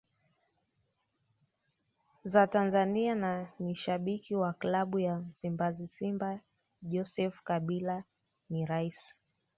za Tanzania na ni shabiki wa klabu ya msimbazi Simba Joseph Kabila ni Rais